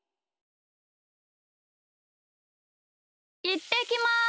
いってきます！